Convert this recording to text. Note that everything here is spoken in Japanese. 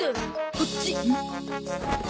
こっち。